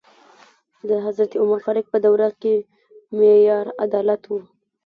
د حضرت عمر فاروق په دوره کې معیار عدالت و.